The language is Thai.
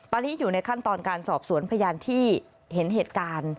ตอนนี้อยู่ในขั้นตอนการสอบสวนพยานที่เห็นเหตุการณ์